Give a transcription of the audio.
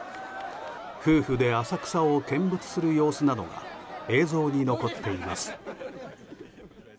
夫婦で浅草を見物する様子などが映像に残っています。